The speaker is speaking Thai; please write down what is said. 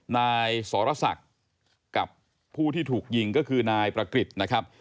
นายสรศักดิ์กับผู้ที่ถูกยิงก็คือนายประกฤษนะครับ